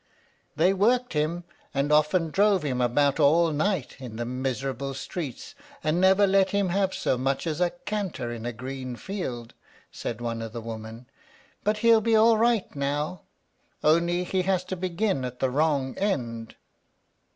"They worked him, and often drove him about all night in the miserable streets, and never let him have so much as a canter in a green field," said one of the women; "but he'll be all right now, only he has to begin at the wrong end."